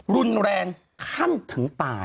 รุนแรงขั้นถึงตาย